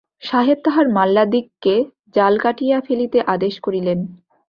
সাহেব তাঁহার মাল্লাদিগকে জাল কাটিয়া ফেলিতে আদেশ করিলেন।